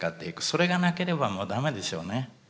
それがなければもう駄目でしょうね。